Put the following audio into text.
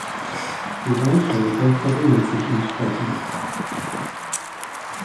Die Reichweite verringert sich entsprechend.